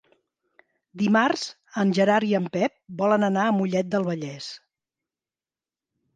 Dimarts en Gerard i en Pep volen anar a Mollet del Vallès.